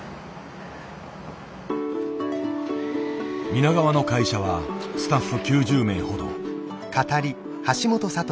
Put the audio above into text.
皆川の会社はスタッフ９０名ほど。